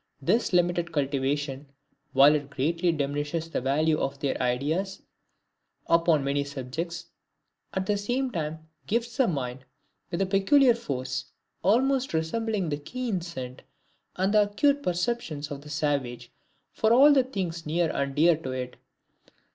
This limited cultivation, while it greatly diminishes the value of their ideas upon many subjects, at the same time gifts the mind with a peculiar force, almost resembling the keen scent and the acute perceptions of the savage, for all the things near and dear to it.